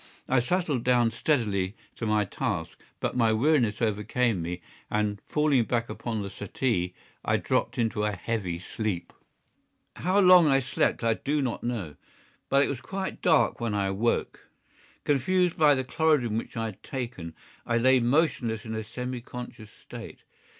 I settled down steadily to my task, but my weariness overcame me and, falling back upon the settee, I dropped into a heavy sleep. How long I slept I do not know, but it was quite dark when I awoke. Confused by the chlorodyne which I had taken, I lay motionless in a semi conscious state.